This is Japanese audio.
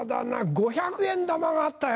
５００円玉があったよ